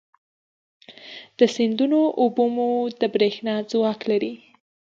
د سیندونو اوبه مو د برېښنا ځواک لري.